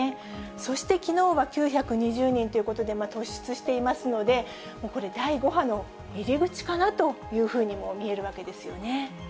そしてきのうは９２０人ということで突出していますので、これ、第５波の入口かなというふうにも見えるわけですよね。